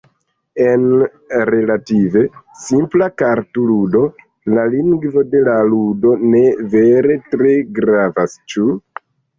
En relative simpla kartludo la lingvo de la ludo ne vere tre gravas, ĉu?